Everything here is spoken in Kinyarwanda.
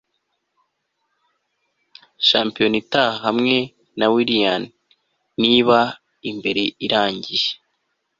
shampiyona itaha hamwe na Willian niba imbere irangije